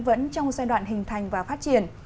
vẫn trong giai đoạn hình thành và phát triển